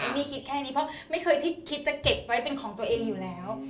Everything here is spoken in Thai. มี่คิดแค่นี้เพราะไม่เคยคิดจะเก็บไว้เป็นของตัวเองอยู่แล้ว